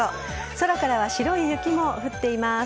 空からは白い雪も降っています。